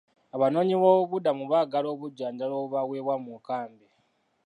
Abanoonyibobubuddamu baagala obujjanjabi obubaweebwa mu nkambi.